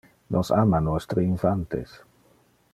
Nos ama nostre infantes.